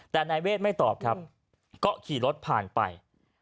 แต่นายเวทไม่ตอบครับก็ขี่รถผ่านไป